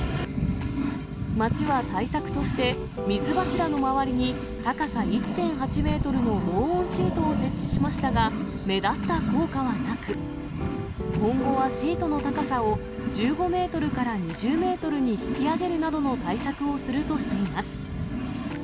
町は対策として、水柱の周りに高さ１．８メートルの防音シートを設置しましたが、目立った効果はなく、今後はシートの高さを１５メートルから２０メートルに引き上げるなどの対策をするとしています。